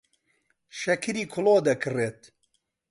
شەکری کڵۆ دەکڕێت.